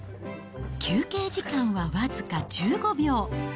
休憩時間はわずか１５秒。